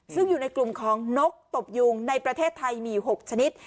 ซึ่งอยู่ในกลุ่มของนกตบยุงในประเทศไทยมีอยู่๖ชนิด